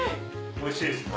おいしいですか。